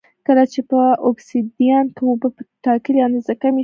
کله چې په اوبسیدیان کې اوبه په ټاکلې اندازه کمې شي